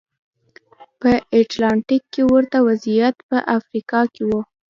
په اتلانتیک کې ورته وضعیت په افریقا کې و.